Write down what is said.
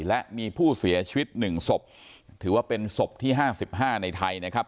และมีผู้เสียชีวิต๑ศพถือว่าเป็นศพที่๕๕ในไทยนะครับ